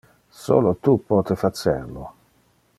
Solo tu pote facer lo.